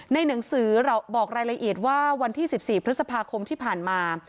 ในหนังสือบอกรายละเอียดว่าวันที่๑๔พฤษภาคมที่ผ่านมา